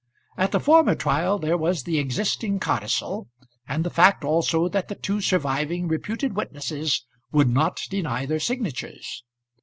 At the former trial there was the existing codicil, and the fact also that the two surviving reputed witnesses would not deny their signatures.